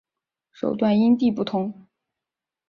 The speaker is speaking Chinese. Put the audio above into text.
手段因地不同。